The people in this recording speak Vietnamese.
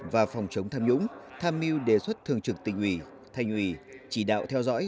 và phòng chống tham nhũng tham mưu đề xuất thường trực tỉnh ủy thành ủy chỉ đạo theo dõi